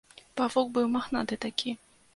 Павук быў, махнаты такі.